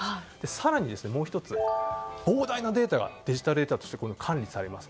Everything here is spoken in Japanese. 更に、膨大なデータがデジタルデータとして管理されます。